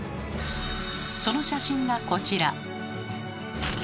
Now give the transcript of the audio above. その写真がこちら。